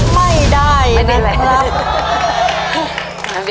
ไม่ได้นะครับ